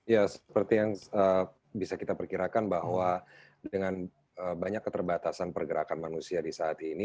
ya seperti yang bisa kita perkirakan bahwa dengan banyak keterbatasan pergerakan manusia di saat ini